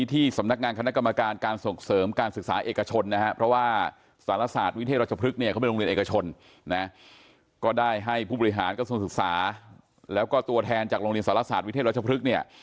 ตัวแทนจากโรงเรียนสารศาสตร์วิเทศรัชพฤกษ์เนี่ย